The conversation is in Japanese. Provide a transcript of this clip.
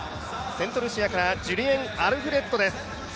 セントルシアからジュリエン・アルフレッドです。